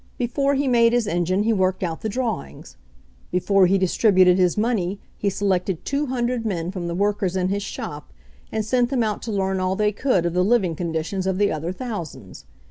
Before he made his engine he worked out the drawings. Before he distributed his money he selected 200 men from the workers in his shop and sent them out to learn all they could of the living conditions of the other thousands.